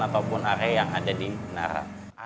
ataupun area yang ada di menara